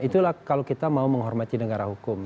itulah kalau kita mau menghormati negara hukum